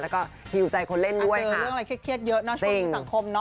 แล้วก็ฮิวใจคนเล่นด้วยคือเรื่องอะไรเครียดเยอะเนาะช่วงนี้สังคมเนาะ